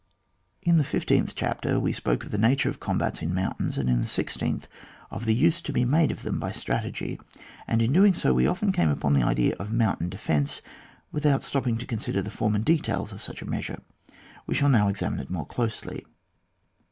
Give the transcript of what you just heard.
Ik the fifteenth chapter we spoke of the nature of combats in mountains, and in the sixteenth of the use to be made of them by strategy, and in so doing we often came upon the idea of mountain defence y without stopping to consider the form and details of such a measure. We shall now examine it more closely.